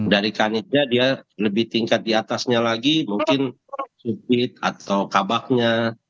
dari kanitnya dia lebih tingkat diatasnya lagi mungkin supit atau kabaknya